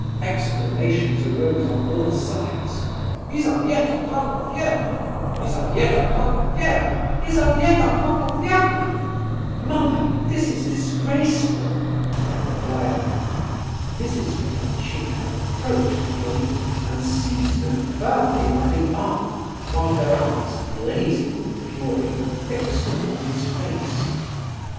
Exclamations arose on all sides. "Lizabetha Prokofievna! Lizabetha Prokofievna! Lizabetha Prokofievna!" "Mother, this is disgraceful!" cried Aglaya. Mrs. Epanchin had approached Hippolyte and seized him firmly by the arm, while her eyes, blazing with fury, were fixed upon his face.